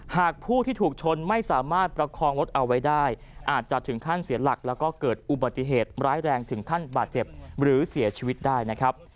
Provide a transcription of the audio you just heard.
หากผู้ที่ถูกชนไม่สามารถประคองรถเอาไว้ได้อาจจะถึงขั้นเสียหลักแล้วก็เกิดอุบัติเหตุร้ายแรงถึงขั้นบาดเจ็บหรือเสียชีวิตได้นะครับ